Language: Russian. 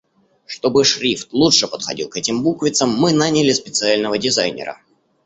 Чтобы шрифт лучше подходил к этим буквицам мы наняли специального дизайнера.